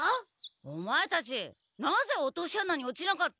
オマエたちなぜ落とし穴に落ちなかった？